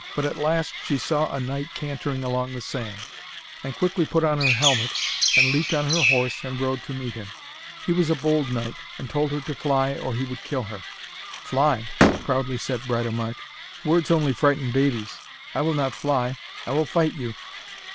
But at last she saw a knight cantering along the sand, and quickly put on her helmet and leaped on her horse, and rode to meet him. He was a bold knight, and told her to fly, or he would kill her. 'Fly!' proudly said Britomart. 'Words only frighten babies. I will not fly. I will fight you!'